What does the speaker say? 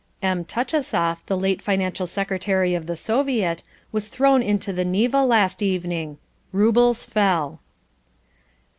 "M. Touchusoff, the late financial secretary of the Soviet, was thrown into the Neva last evening. Roubles fell."